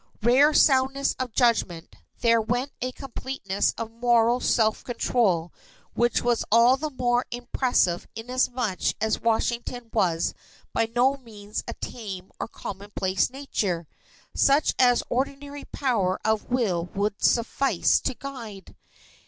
rare soundness of judgment there went a completeness of moral self control which was all the more impressive inasmuch as Washington's was by no means a tame or commonplace nature, such as ordinary power of will would suffice to guide.